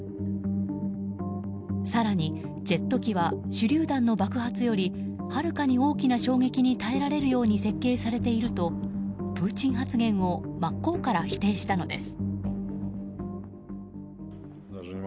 更に、ジェット機は手りゅう弾の爆発よりはるかに大きな衝撃に耐えられるように設計されているとプーチン発言を真っ向から否定したのです。